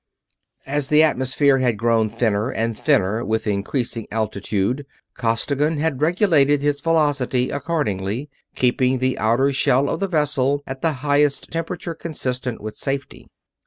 As the atmosphere had grown thinner and thinner with increasing altitude Costigan had regulated his velocity accordingly, keeping the outer shell of the vessel at the highest temperature consistent with safety.